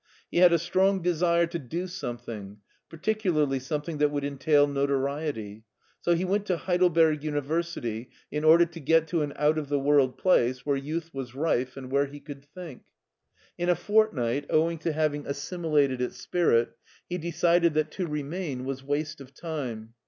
He had a strong desire to do something, particularly something that would entail notoriety, so he went to Heidelberg University in order to get to an out of the world place where youth was rife and where he could think. In a fortnight, owing to having assimilated its spirit, he decided that to re main was waste of time.